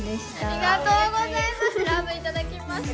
ありがとうございます。